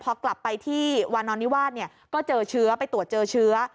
พอกลับไปที่วานอนนิวาสก็เจอเชื้อไปตรวจเจอเชื้อ